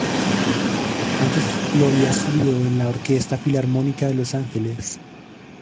Antes lo había sido de la Orquesta Filarmónica de Los Ángeles.